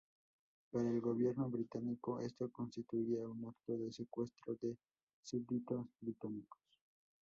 Para el gobierno británico esto constituía un acto de secuestro de súbditos británicos.